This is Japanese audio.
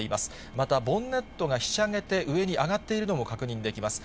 またボンネットがひしゃげて、上に上がっているのも確認できます。